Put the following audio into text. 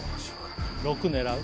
６狙う？